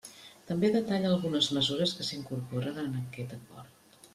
També detalla algunes mesures que s'incorporen en aquest Acord.